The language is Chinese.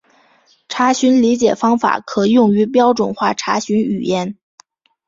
查询理解方法可用于标准化查询语言。